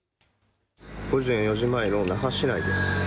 午前４時前の那覇市内です。